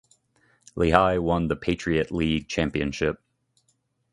Lehigh won the Patriot League championship.